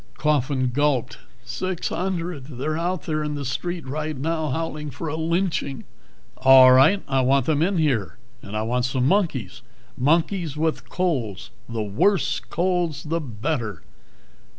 Coffin gulped. "Six hundred. They're out there in the street right now, howling for a lynching." "All right, I want them in here. And I want some monkeys. Monkeys with colds, the worse colds the better."